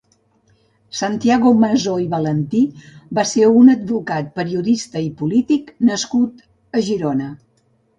Santiago Masó i Valentí va ser un advocat, periodista i polític nascut a Girona.